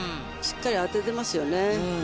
しっかり当ててますよね。